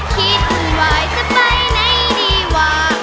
คิดว่าจะไปไหนดีกว่า